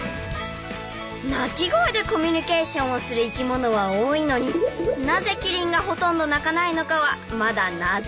鳴き声でコミュニケーションをする生き物は多いのになぜキリンがほとんど鳴かないのかはまだ謎なんだそう。